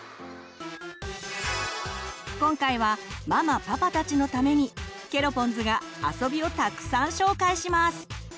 今回はママパパたちのためにケロポンズが遊びをたくさん紹介します！